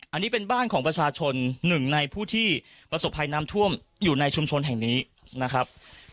อันนี้เป็นบ้านของประชาชนหนึ่งในผู้ที่ประสบภัยน้ำท่วมอยู่ในชุมชนแห่งนี้นะครับ